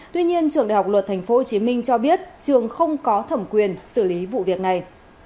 tuy nhiên trường đại học luật tp hcm cho biết trường không có thẩm quyền xử lý vụ việc này